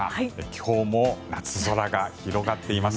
今日も夏空が広がっています。